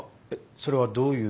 それはどういう？